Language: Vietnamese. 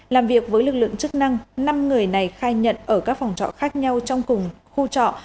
làm việc với lực lượng chức năng năm người này khai nhận ở các phòng trọ khác nhau trong cùng khu trọ